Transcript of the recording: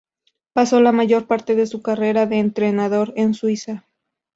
Pasó la mayor parte de su carrera de entrenador en Suiza.